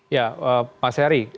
ya pak sehari